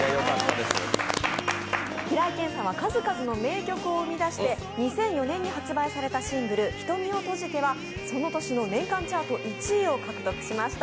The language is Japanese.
平井堅さんは数々の名曲を生み出して２００４年に発売されたシングル「瞳をとじて」はその年の年間チャート１位を獲得しました。